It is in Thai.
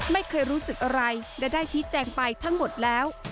ไม่เคยรู้สึกอะไรและได้ชี้แจงไปทั้งหมดแล้ว